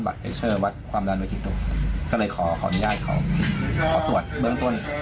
เอเชอร์วัดความดันวิจิตนุก็เลยขอขออนุญาตขอตรวจเบื้องต้น